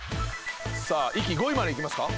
さあ一気に５位までいきますか？